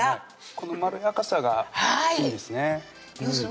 このまろやかさがいいんですねはい！